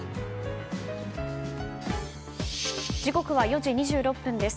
時刻は４時２６分です。